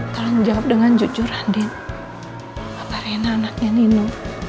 tolong jawab dengan jujur andin apa rena anaknya nino